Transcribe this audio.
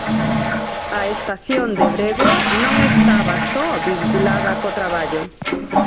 A estación de Bregua non estaba só vinculada co traballo.